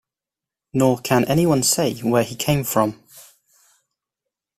Nor can anyone say where he came from.